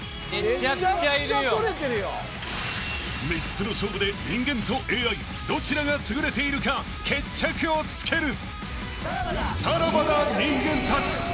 ［３つの勝負で人間とＡＩどちらが優れているか決着をつける］